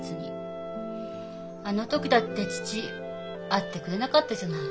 あの時だって父会ってくれなかったじゃない。